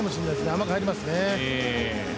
甘く入りますね。